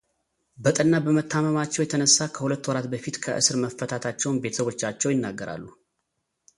በጠና በመታመማቸው የተነሳ ከሁለት ወራት በፊት ከእስር መፈታታቸውን ቤተሰቦቻቸው ይናገራሉ።